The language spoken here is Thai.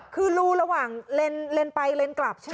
คือรูระหว่างเลนไปเลนกลับใช่ไหม